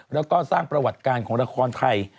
แล้วก็สร้างประวัติการของละครไทย